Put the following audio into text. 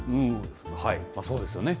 そうですよね。